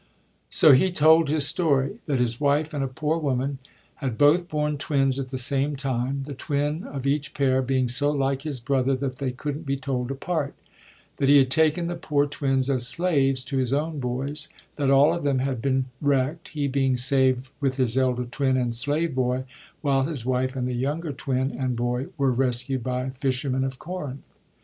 So he told his story : that his wife and a poor woman had both borne twins at the same time, the twin of each pair being so like his brother that they couldn't be told apart ; that he had taken the poor twins as slaves to his own boys ; that all of them had been wreckt, he being saved with his elder twin and slave boy, while his wife and the younger twin and boy were rescued by fishermen of Corinth.